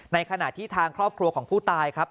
ในขณะที่ทางครอบครัวของผู้ตายครับ